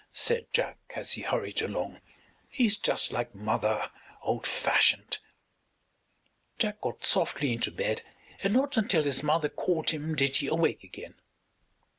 said Jack as he hurried along. "He is just like mother old fashioned." Jack got softly into bed, and not until his mother called him did he awake again.